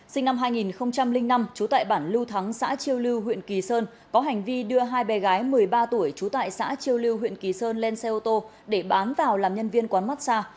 sinh năm hai nghìn năm trú tại bản lưu thắng xã chiêu lưu huyện kỳ sơn có hành vi đưa hai bé gái một mươi ba tuổi trú tại xã chiêu lưu huyện kỳ sơn lên xe ô tô để bán vào làm nhân viên quán massage